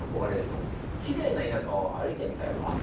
きれいな田舎を歩いてみたいわ。